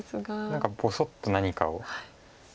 何かぼそっと何かを。